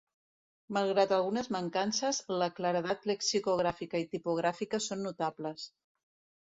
Malgrat algunes mancances, la claredat lexicogràfica i tipogràfica són notables.